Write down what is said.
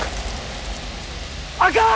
あかん！